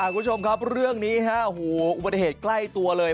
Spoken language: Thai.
คุณผู้ชมครับเรื่องนี้ฮะโอ้โหอุบัติเหตุใกล้ตัวเลย